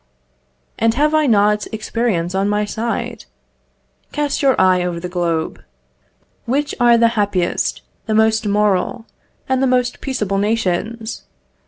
And have I not experience on my side? Cast your eye over the globe. Which are the happiest, the most moral, and the most peaceable nations?